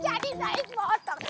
jadi naik motor